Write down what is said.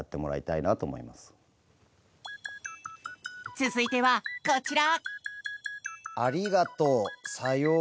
続いてはこちら。